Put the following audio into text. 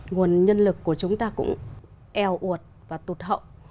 nguồn nhân lực của chúng ta cũng eo uột và tụt hậu